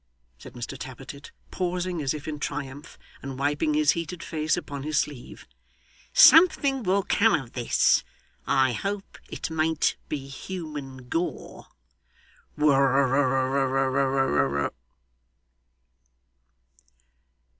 said Mr Tappertit, pausing as if in triumph, and wiping his heated face upon his sleeve. 'Something will come of this. I hope it mayn't be human gore!' Whirr r r r r r r r.